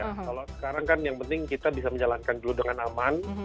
kalau sekarang kan yang penting kita bisa menjalankan dulu dengan aman